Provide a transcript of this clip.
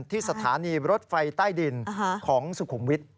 ที่สถานีรถไฟใต้ดินของสุขุมวิทย์